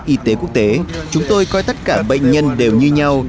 y tế quốc tế chúng tôi coi tất cả bệnh nhân đều như nhau